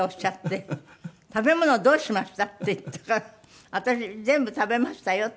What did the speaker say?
「食べ物どうしました？」って言ったから私全部食べましたよって。